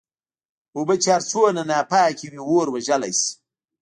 اوبه چې هرڅومره ناپاکي وي اور وژلی شې.